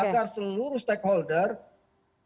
kita harus membuat komitmen bersama